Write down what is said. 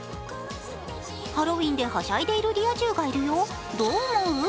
ハロウィーンではしゃいでいるリア充がいるよ、どう思う？